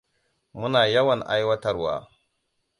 Muna yawan aiwatarwa.